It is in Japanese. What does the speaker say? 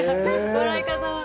笑い方は。